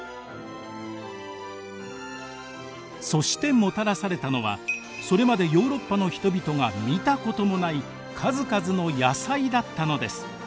そしてもたらされたのはそれまでヨーロッパの人々が見たこともない数々の野菜だったのです。